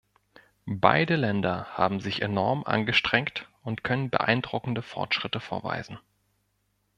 Beide Länder haben sich enorm angestrengt und können beeindruckende Fortschritte vorweisen.